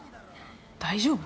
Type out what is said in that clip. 大丈夫？